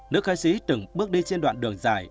nữ khai sĩ từng bước đi trên đoạn đường dài